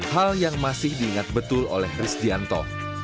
hal yang masih diingat betul oleh riz dianto